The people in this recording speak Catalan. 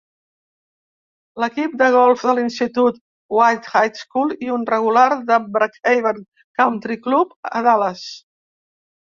L'equip de golf de l'institut White High School i un regular de Brookhaven Country Club a Dallas.